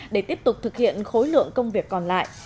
để tiếp tục thực hiện khối lượng công việc còn lại